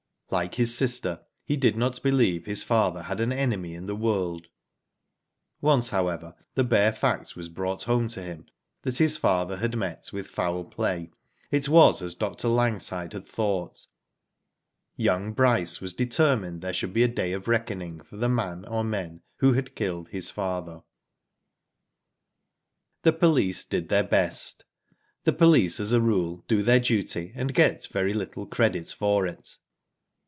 ' Like his sister, he did not believe his father had an enemy in the world. Once however, the bare fact was brought home to him that his father had met with foul play, it was as Dr. Langside had thought — ^young Bryce was determined there should be a day of reckoning for the man, or men, •who had killed his father* The police did their best. The police as a i*ule do their duty and get very little credit for it.